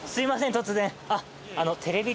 突然。